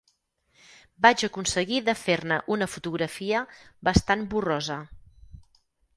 Vaig aconseguir de fer-ne una fotografia bastant borrosa